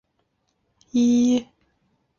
当时的藩厅为会津若松城。